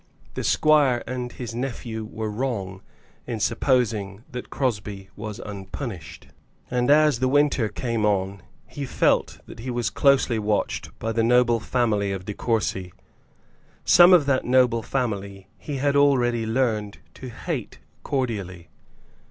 The squire and his nephew were wrong in supposing that Crosbie was unpunished. And as the winter came on he felt that he was closely watched by the noble family of De Courcy. Some of that noble family he had already learned to hate cordially.